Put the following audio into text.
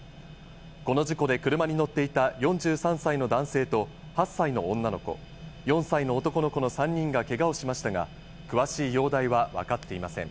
この事故で、車に乗っていた４３歳の男性と８歳の女の子、４歳の男の子の３人がけがをしましたが、詳しい容体は分かっていません。